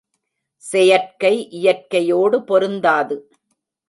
செயற்கை, இயற்கையோடு பொருந்தாது.